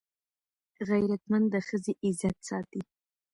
غیرتمند د ښځې عزت ساتي